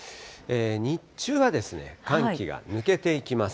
日中は寒気が抜けていきます。